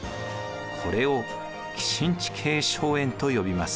これを寄進地系荘園と呼びます。